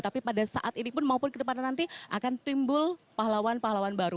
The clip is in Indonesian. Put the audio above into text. tapi pada saat ini pun maupun kedepannya nanti akan timbul pahlawan pahlawan baru